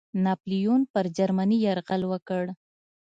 ناپلیون پر جرمني یرغل وکړ.